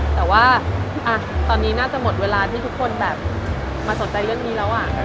แต่ว่าตอนนี้น่าจะหมดเวลาที่ทุกคนแบบมาสนใจเรื่องนี้แล้ว